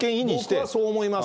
僕はそう思います。